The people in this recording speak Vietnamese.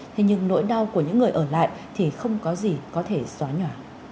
thế nhưng nỗi đau của những người ở lại thì không có gì có thể xóa nhỏ